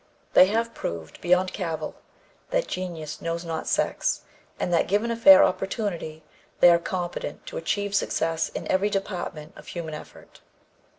They have proved beyond cavil that genius knows not sex, and that, given a fair opportunity, they are competent to achieve success in every department of human effort.